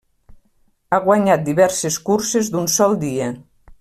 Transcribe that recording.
Ha guanyat diverses curses d'un sol dia.